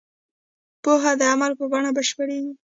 پوهه د عمل په بڼه بشپړېږي.